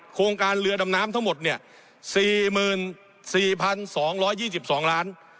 โครงการเรือดำน้ำน้ำทั้งหมดเนี่ยสี่หมื่นสี่พันสองร้อยยี่สิบสองล้าน